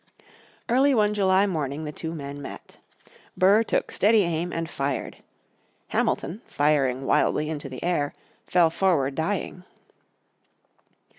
Early one July morning in 1804, the two men met. Burr took steady aim and fired, Hamilton, firing wildly into the air, fell forward dying.